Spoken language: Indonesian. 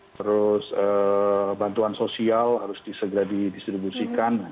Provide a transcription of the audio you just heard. terus bantuan sosial harus disegera didistribusikan